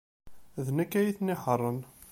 D nekk ay inehhṛen.